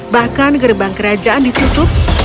bahkan gerbang kerajaan ditutup